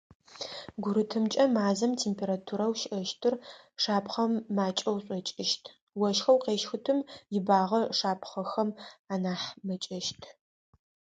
Гурытымкӏэ мазэм температурэу щыӏэщтыр шапхъэм макӏэу шӏокӏыщт, ощхэу къещхыщтым ибагъэ шапхъэхэм анахь мэкӏэщт.